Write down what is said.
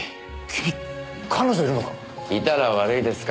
君彼女いるのか？